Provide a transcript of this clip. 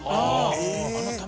ああ！